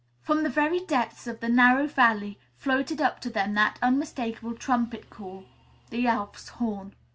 From the very depths of the narrow valley floated up to them that unmistakable trumpet call, the Elf's Horn.